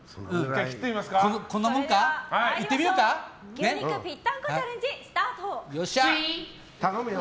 牛肉ぴったんこチャレンジスタート。